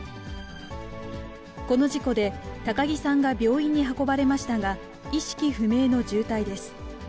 この事故で、高城さんが病院に運ばれましたが、意識不明の重体です。